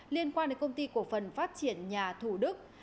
liên quan đến công ty cộng phân phát triển nhà thủ đức